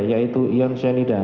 yaitu ion cyanida